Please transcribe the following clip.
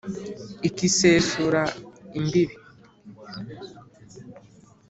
Ikisesura imbibi,